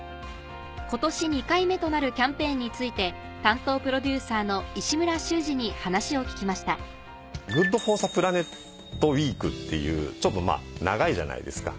今年２回目となるキャンペーンについて担当プロデューサーの石村修司に話を聞きましたっていうちょっと長いじゃないですか。